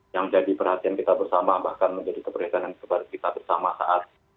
yang jadi perhatian kita bersama bahkan menjadi kepresidenan kita bersama saat